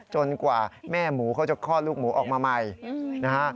กว่าแม่หมูเขาจะคลอดลูกหมูออกมาใหม่นะฮะ